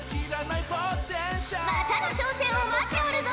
またの挑戦を待っておるぞ！